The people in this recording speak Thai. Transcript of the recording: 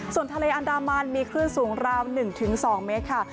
ส่วนทะเลอันดามันมีคลื่นสูงราว๑๒เมตรค่ะ